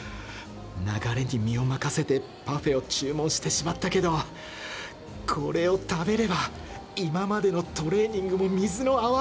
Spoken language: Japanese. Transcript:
流れに身を任せてパフェを注文してしまったけどこれを食べれば今までのトレーニングも水の泡。